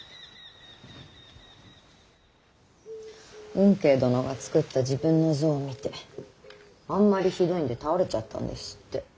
運慶殿が作った自分の像を見てあんまりひどいんで倒れちゃったんですって。